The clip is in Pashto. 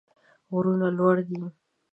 غرونه لوړ دي.